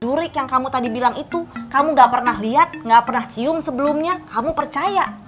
durik yang kamu tadi bilang itu kamu gak pernah lihat gak pernah cium sebelumnya kamu percaya